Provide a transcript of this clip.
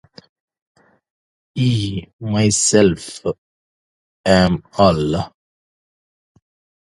I myself am Allah!